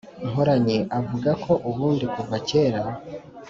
Mporanyi, avuga ko ubundi kuva kera